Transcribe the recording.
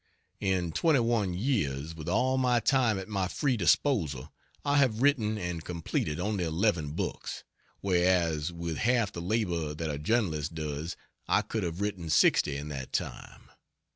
In twenty one years, with all my time at my free disposal I have written and completed only eleven books, whereas with half the labor that a journalist does I could have written sixty in that time.